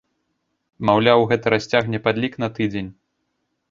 Маўляў, гэта расцягне падлік на тыдзень!